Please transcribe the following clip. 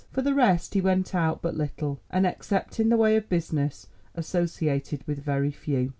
For the rest he went out but little, and except in the way of business associated with very few.